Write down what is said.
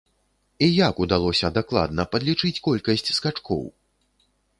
І як удалося дакладна падлічыць колькасць скачкоў?!